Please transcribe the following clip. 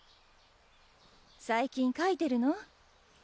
最近書いてるの？